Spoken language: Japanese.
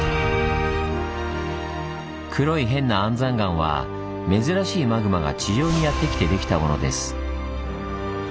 黒い変な安山岩は珍しいマグマが地上にやって来てできたものです。